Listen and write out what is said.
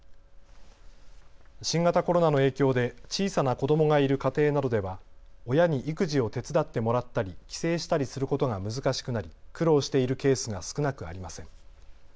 新型コロナの影響で小さな子どもがいる家庭などでは親に育児を手伝ってもらったり帰省したりすることが難しくなり苦労しているケースが少なくありません。